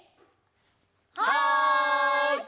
はい！